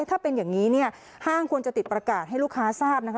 ถ้าเป็นอย่างนี้เนี่ยห้างควรจะติดประกาศให้ลูกค้าทราบนะคะ